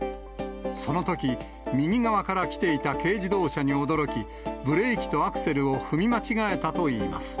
そのとき、右側から来ていた軽自動車に驚き、ブレーキとアクセルを踏み間違えたといいます。